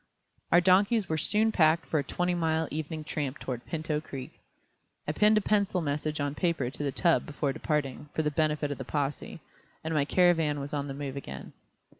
Our donkeys were soon packed for a twenty mile evening tramp toward Pinto Creek. I pinned a penciled message on paper to the tub before departing, for the benefit of the possè, and my caravan was on the move again.